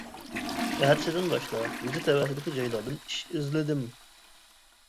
ئەتىسىدىن باشلاپ يېزا تەۋەسىدىكى جايلاردىن ئىش ئىزلىدىم.